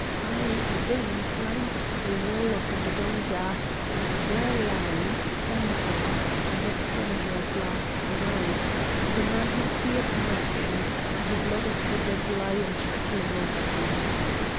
I then climbed the wall of the donga, and there lay, fainting, the Stranger of last night—the man who feared nothing—the blood of the dead lion trickling over him.